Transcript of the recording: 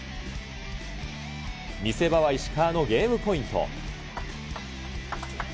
見せ場は石川のゲームポイント。